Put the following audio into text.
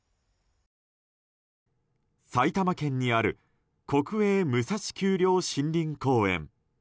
埼玉県にある国営武蔵丘陵森林公園。